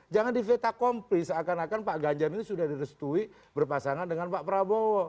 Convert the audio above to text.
jangan dipeta kompli seakan akan pak ganjar ini sudah direstui berpasangan dengan pak prabowo